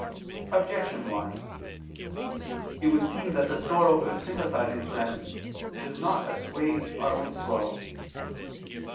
Objection 1: It would seem that the sorrow of sympathizing friends does not assuage our own sorrow.